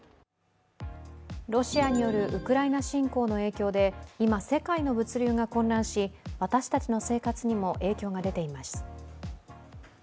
ロシアによるウクライナ侵攻の影響で、今、世界の物流が混乱し私たちの生活にも影響が出ています。